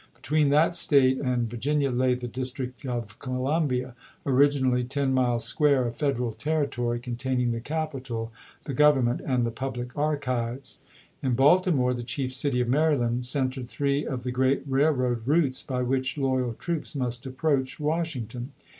Between that State and Virginia lay the District of Colum bia, originally ten miles square of Federal terri tory, containing the capital, the Grovernment, and the public archives. In Baltimore, the chief city of Maryland, centered three of the great railroad routes by which loyal troops must approach Washington.